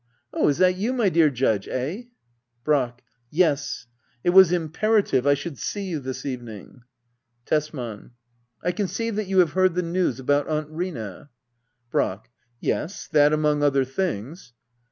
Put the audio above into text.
Oh, is that you, my dear Judge ? Eh ? Brack. Yes, It was imperative I should see you this evening. Tesman. I can see you have heard the news about Aunt Rina } Brack. Yes, that among other things.